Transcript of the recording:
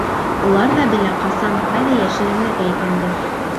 Улар ҙа белә ҡасан ҡайҙа йәшеренергә икәнде.